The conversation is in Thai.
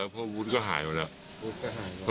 เพราะวุฒิก็หายหมดแล้ว